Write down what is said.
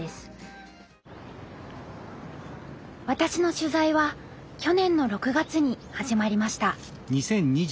私の取材は去年の６月に始まりました。